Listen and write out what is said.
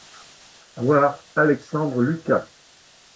Voir Alexandre Lucas.